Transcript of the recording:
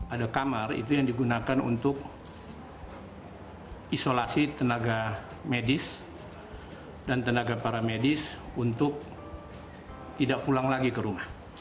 ada kamar itu yang digunakan untuk isolasi tenaga medis dan tenaga para medis untuk tidak pulang lagi ke rumah